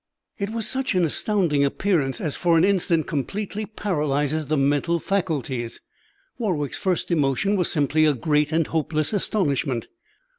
It was such an astounding appearance as for an instant completely paralyzes the mental faculties. Warwick's first emotion was simply a great and hopeless astonishment.